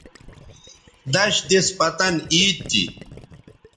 دش دِس پتن عید تھی